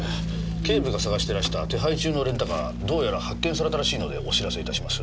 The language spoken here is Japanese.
警部が捜してらした手配中のレンタカーどうやら発見されたらしいのでお知らせいたします。